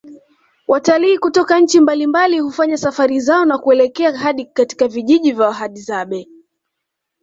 Watalii kutoka nchi mbalimbali hufanya safari zao na kuelekea hadi katika vijiji vya wahadzabe